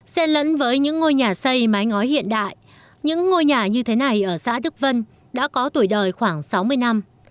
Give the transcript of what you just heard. xe lẫn với những ngôi nhà xây mái ngói hiện đại những ngôi nhà như thế này ở xã đức vân đã có tuổi đời khoảng sáu mươi năm